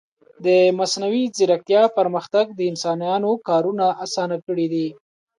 د مصنوعي ځیرکتیا پرمختګ د انسانانو کارونه آسانه کړي دي.